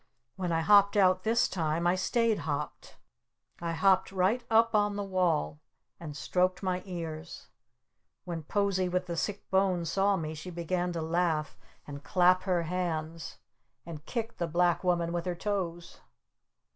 When I hopped out this time I stayed hopped! I hopped right up on the wall! And stroked my ears! When Posie with the Sick Bones saw me she began to laugh! And clap her hands! And kick the Black Woman with her toes!